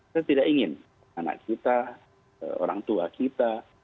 saya tidak ingin anak kita orang tua kita